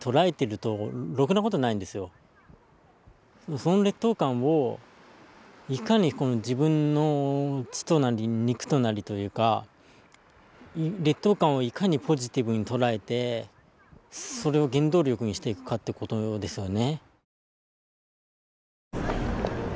その劣等感をいかに自分の血となり肉となりというか劣等感をいかにポジティブに捉えてそれを原動力にしていくかっていうことですよね。